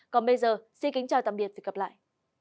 còn bây giờ xin kính chào tạm biệt và hẹn gặp lại